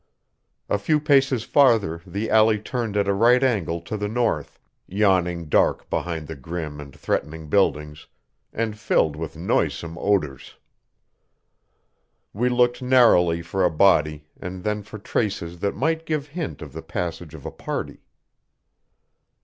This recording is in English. A few paces farther the alley turned at a right angle to the north, yawning dark behind the grim and threatening buildings, and filled with noisome odors. We looked narrowly for a body, and then for traces that might give hint of the passage of a party.